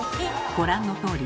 ご覧のとおり。